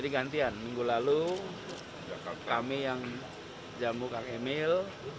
jadi gantian minggu lalu kami yang jambu kang emil